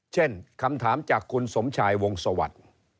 เช่นคำถามจากคุณสมชายวงศวรรษ